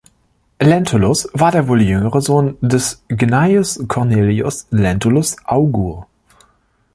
Lentulus war wohl der jüngere Sohn des Gnaeus Cornelius Lentulus Augur.